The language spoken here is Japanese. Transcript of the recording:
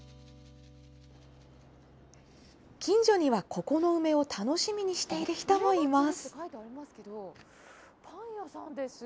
近所にはここの梅を楽しみにしている人もいます。